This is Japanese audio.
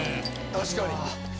確かに。